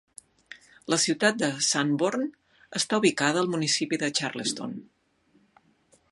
La ciutat de Sanborn està ubicada al municipi de Charlestown.